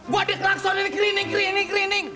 gua di klangson ini kerining kerining kerining